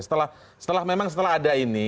setelah memang setelah ada ini